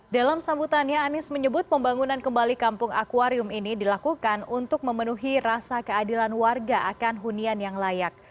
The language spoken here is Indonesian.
dalam sambutannya anies menyebut pembangunan kembali kampung akwarium ini dilakukan untuk memenuhi rasa keadilan warga akan hunian yang layak